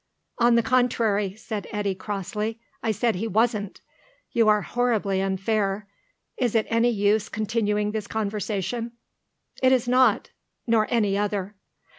"On the contrary," said Eddy, crossly, "I said he wasn't. You are horribly unfair. Is it any use continuing this conversation?" "It is not. Nor any other."